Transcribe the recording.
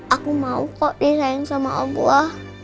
aku mau kok disayang sama allah